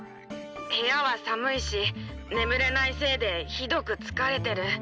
部屋は寒いし、眠れないせいで、ひどく疲れてる。